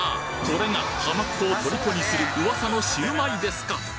これがハマっ子を虜にする噂のシウマイですか！